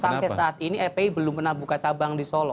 sampai saat ini fpi belum pernah buka cabang di solo